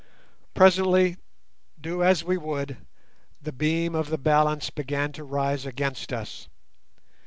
Presently, do as we would, the beam of the balance began to rise against us.